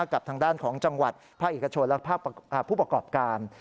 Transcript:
กับทางด้านของจังหวัดภาคเอกชนและผู้ประกอบการ